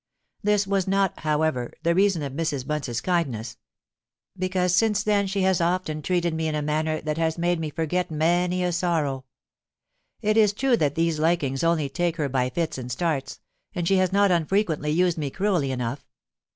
This was not, however, the reason of Mrs. Bunce's kindness; because since then she has often treated me in a manner that has made me forget many a sorrow. It is true that these likings only take her by fits and starts—and she has not unfrequently used me cruelly enough.